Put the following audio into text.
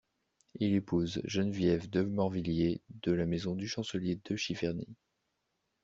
Il épouse Géneviève de Morvilliers, de la maison du Chancelier de Chyverny.